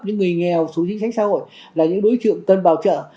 những người nghèo xuống chính sách xã hội là những đối trượng tân bào trợ